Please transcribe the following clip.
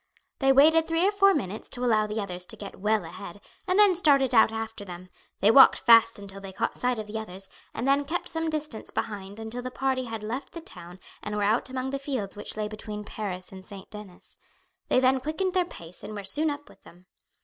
They waited three or four minutes to allow the others to get well ahead and then started out after them; they walked fast until they caught sight of the others, and then kept some distance behind until the party had left the town and were out among the fields which lay between Paris and St. Denis. They then quickened their pace and were soon up with them.